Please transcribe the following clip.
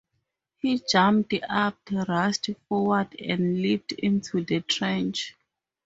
He jumped up, rushed forward and leapt into the trench.